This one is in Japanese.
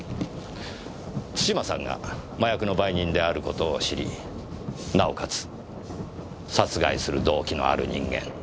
津島さんが麻薬の売人である事を知りなおかつ殺害する動機のある人間。